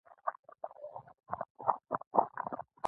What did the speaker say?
په دې لاره کې امیر ته ډېر کارونه لا پاتې وو.